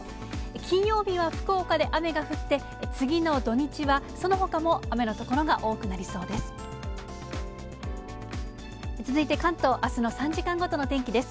金曜日は福岡で雨が降って、次の土日はそのほかも雨の所が多くなりそうです。